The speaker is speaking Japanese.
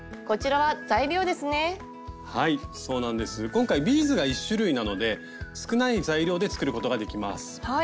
今回ビーズが１種類なので少ない材料で作ることができます。